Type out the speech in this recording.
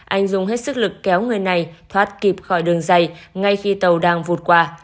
anh dũng hết sức lực kéo người này thoát kịp khỏi đường dày ngay khi tàu đang vụt qua